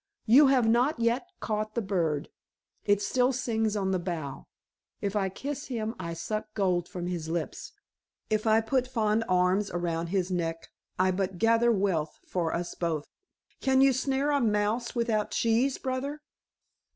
You have not yet caught the bird. It still sings on the bough. If I kiss him I suck gold from his lips. If I put fond arms around his neck I but gather wealth for us both. Can you snare a mouse without cheese, brother?"